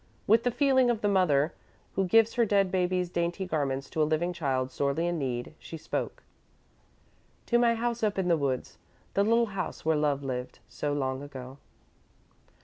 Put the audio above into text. With the feeling of the mother who gives her dead baby's dainty garments to a living child sorely in need, she spoke. "To my house up in the woods the little house where love lived, so long ago."